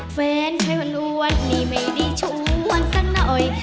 แฟนไทยวันอ้วนนี่ไม่ได้ช่วงวันสักหน่อย